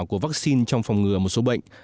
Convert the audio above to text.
của vaccine trong phòng ngừa một số bệnh